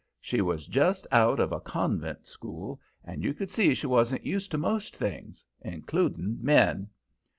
She was just out of a convent school, and you could see she wasn't used to most things including men.